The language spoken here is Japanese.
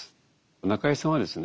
中井さんはですね